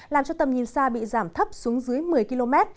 làm cho tầm nhìn xa bị giảm thấp xuống dưới một mươi km